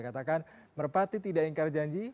katakan merpati tidak ingkar janji